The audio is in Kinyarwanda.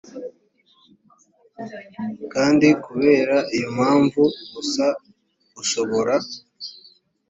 kandi kubera iyo mpamvu gusa ushobora